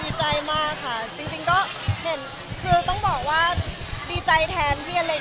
ดีใจมากค่ะจริงก็เห็นคือต้องบอกว่าดีใจแทนพี่อเล็ก